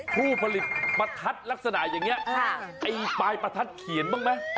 ผู้ผลิตประทัดลักษณะอย่างนี้ไอ้ปลายประทัดเขียนบ้างไหม